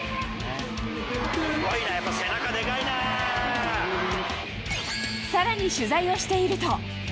すごいな、やっぱり背中でかさらに取材をしていると。